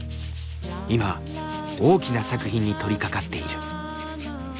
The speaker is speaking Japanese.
今大きな作品に取りかかっている。